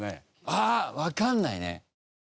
あっわかんないね。